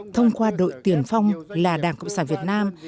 thông qua đội tiền phong là đảng cộng sản việt nam